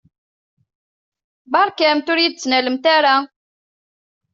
Beṛkamt ur yi-d-ttnalemt ara.